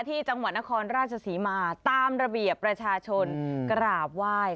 ที่จังหวัดนครราชศรีมาตามระเบียบประชาชนกราบไหว้